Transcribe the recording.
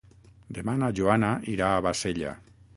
Demà na Joana irà a Bassella.